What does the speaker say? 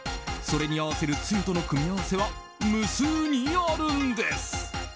それに合わせるつゆとの組み合わせは無数にあるんです。